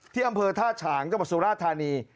ที่อำเภอท่าฉางจบบสุรธานี